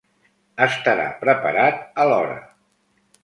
Estarà preparat a l'hora.